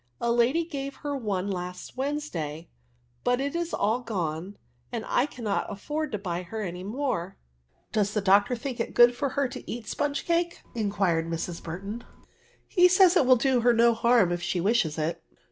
A lady gave her one last Wednesday, but it is all gone, and I cannot afford to buy her any more.'' '^ Does the doctor think it good for her to eat sponge cake V* inquired Mrs. Burton. ''He says it will do her no harm if she wishes it."